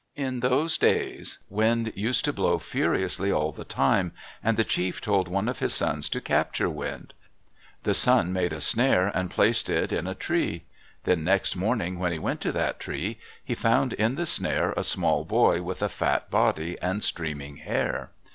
In those days Wind used to blow furiously all the time, and the chief told one of his sons to capture Wind. The son made a snare and placed it in a tree. Then next morning, when he went to that tree, he found in the snare a small boy with a fat body and streaming hair.